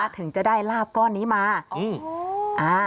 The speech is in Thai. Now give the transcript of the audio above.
ถึงจะได้ลาบก้อนนี้มา